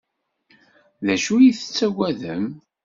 D acu ay tettaggadem?